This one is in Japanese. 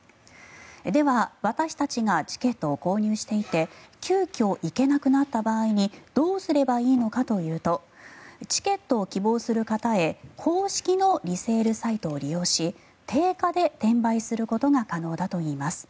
では、私たちがチケットを購入していて急きょ行けなくなった場合にどうすればいいのかというとチケットを希望する方へ公式のリセールサイトを利用し定価で転売することが可能だといいます。